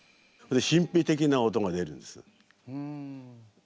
神秘的な音が出るんです。